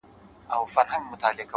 د وحشت- په ښاریه کي زندگي ده-